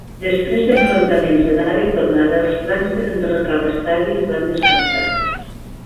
Després d'enfrontaments d'anada i tornada, els plans per enderrocar l'estadi es van descartar.